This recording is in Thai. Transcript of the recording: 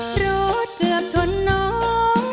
โต๋คจนน้อง